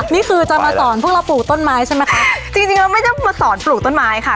นี่คือจะมาสอนพวกเราปลูกต้นไม้ใช่ไหมคะจริงจริงเราไม่ได้มาสอนปลูกต้นไม้ค่ะ